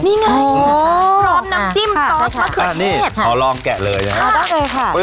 นี่ไงพร้อมน้ำจิ้มซอสมะเขือเทศอ๋อลองแกะเลยนะครับ